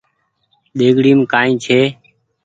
ۮيگڙيم ڪآئي ڇي